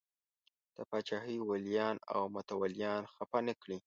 د پاچاهۍ ولیان او متولیان خفه نه کړي.